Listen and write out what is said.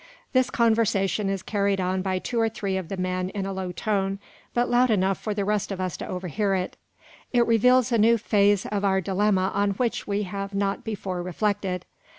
This conversation is carried on by two or three of the men in a low tone, but loud enough for the rest of us to overhear it. It reveals a new phase of our dilemma on which we have not before reflected.